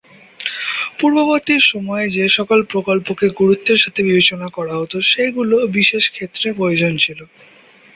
পূর্ববর্তী সময়ে যে সকল প্রকল্পকে গুরুত্বের সাথে বিবেচনা করা হত সেগুলো বিশেষ ক্ষেত্রে প্রয়োজন ছিল।